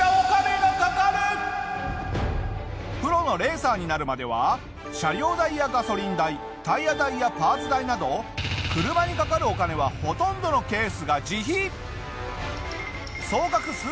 プロのレーサーになるまでは車両代やガソリン代タイヤ代やパーツ代など車にかかるお金はほとんどのケースが自費！